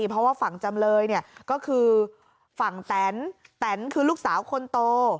เพราะว่าฝั่งจำเลยเนี่ยก็คือฝั่งแตนแตนคือลูกสาวคนโต